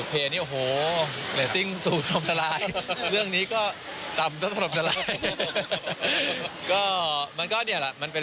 ผมดูแล้วผมรู้สึกว่าเอ่อเนี่ย